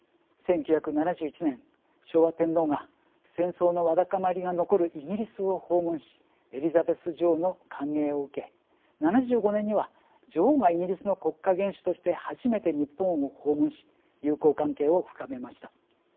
１９７１年昭和天皇が戦争のわだかまりが残るイギリスを訪問しエリザベス女王の歓迎を受け７５年には女王がイギリスの国家元首として初めて日本を訪問し友好関係を深めました。